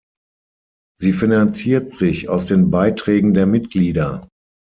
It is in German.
Sie finanziert sich aus den Beiträgen der Mitglieder.